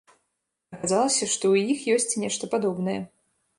Аказалася, што ў іх ёсць нешта падобнае.